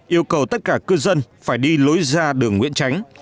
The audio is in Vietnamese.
yêu cầu tất cả cư dân phải đi lối ra đường nguyễn tránh